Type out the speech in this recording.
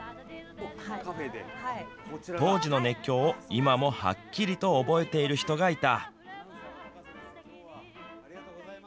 当時の熱狂を今もはっきりと覚えている人がいた。